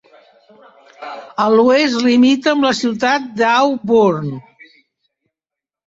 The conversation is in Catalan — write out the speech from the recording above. A l'oest limita amb la ciutat d'Auburn.